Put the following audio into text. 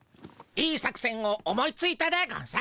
いい作戦を思いついたでゴンス。